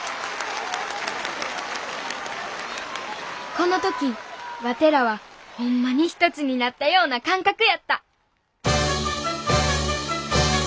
この時ワテらはホンマに一つになったような感覚やった！